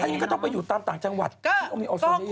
เต็มนี้ก็ต้องไปอยู่ตามต่างจังหวัฒน์ต้องออกโซเยอะ